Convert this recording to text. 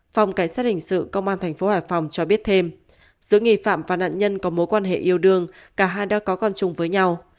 phòng cảnh sát hình sự công an tp hải phòng cho biết thêm giữa nghi phạm và nạn nhân có mối quan hệ yêu đương cả hai đã có con chung với nhau